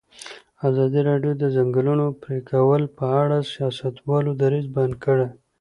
ازادي راډیو د د ځنګلونو پرېکول په اړه د سیاستوالو دریځ بیان کړی.